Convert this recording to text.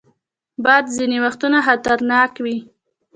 باد ځینې وختونه خطرناک وي